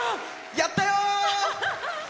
やったよー！